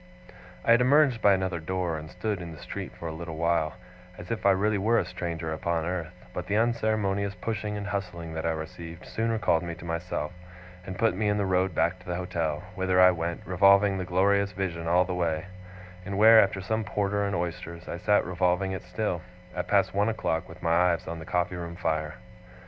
I had emerged by another door, and stood in the street for a little while, as if I really were a stranger upon earth: but the unceremonious pushing and hustling that I received, soon recalled me to myself, and put me in the road back to the hotel; whither I went, revolving the glorious vision all the way; and where, after some porter and oysters, I sat revolving it still, at past one o'clock, with my eyes on the coffee room fire.